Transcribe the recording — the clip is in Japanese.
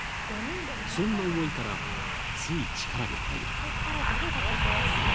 そんな思いから、つい力が入る。